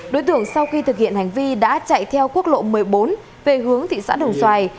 đối tượng sau khi thực hiện hành vi đã chạy theo quốc lộ một mươi bốn về hướng thị xã đồng xoài